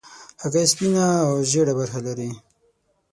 هګۍ سپینه او ژېړه برخه لري.